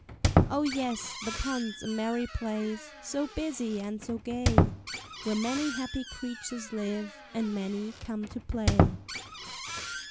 Oh, yes! the pond's a merry place, So busy and so gay, Where many happy creatures live And many come to play.